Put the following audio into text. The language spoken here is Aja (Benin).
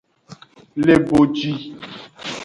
Le boji.